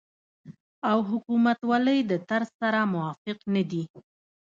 او حکومتولۍ د طرز سره موافق نه دي